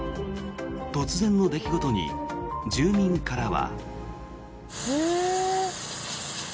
突然の出来事に住民からは。